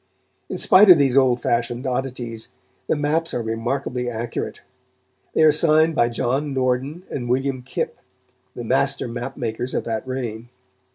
In spite of these old fashioned oddities, the maps are remarkably accurate. They are signed by John Norden and William Kip, the master map makers of that reign.